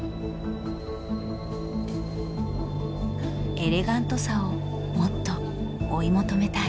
エレガントさをもっと追い求めたい。